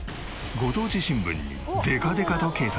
ご当地新聞にでかでかと掲載！